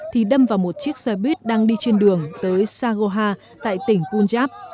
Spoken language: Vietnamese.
thì đâm vào một chiếc xe buýt đang đi trên đường tới sagoha tại tỉnh punjab